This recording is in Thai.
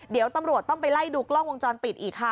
เดี๋ยวตำรวจต้องไปไล่ดูกล้องวงจรปิดอีกค่ะ